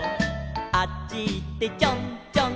「あっちいってちょんちょん」